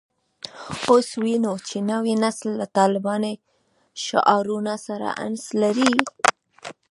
اوس وینو چې نوی نسل له طالباني شعارونو سره انس لري